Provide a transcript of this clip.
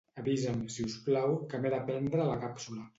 Avisa'm, si us plau, que m'he de prendre la càpsula.